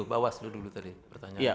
pak bawaslu dulu tadi bertanya